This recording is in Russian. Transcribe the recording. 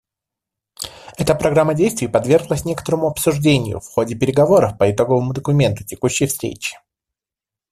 Эта Программа действий подверглась некоторому обсуждению в ходе переговоров по итоговому документу текущей встречи.